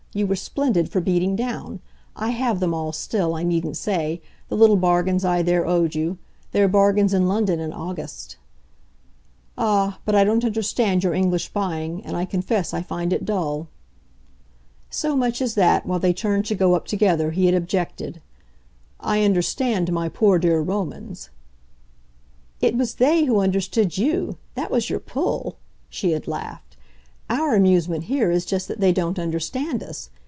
You were splendid for beating down. I have them all still, I needn't say the little bargains I there owed you. There are bargains in London in August." "Ah, but I don't understand your English buying, and I confess I find it dull." So much as that, while they turned to go up together, he had objected. "I understood my poor dear Romans." "It was they who understood you that was your pull," she had laughed. "Our amusement here is just that they don't understand us.